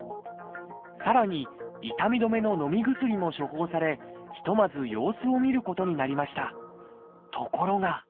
さらに痛み止めののみ薬も処方されひとまず様子を見ることになりました。